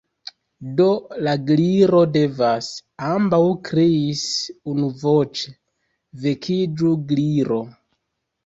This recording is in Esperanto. "Do, la Gliro devas," ambaŭ kriis unuvoĉe. "Vekiĝu, Gliro!"